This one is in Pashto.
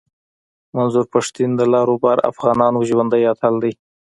منظور پشتین د لر او بر افغانانو ژوندی اتل دی